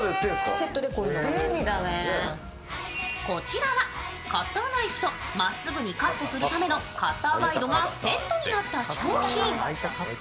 こちらはカッターナイフとまっすぐにカットするためのカッターガイドがセットになった商品。